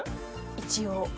一応。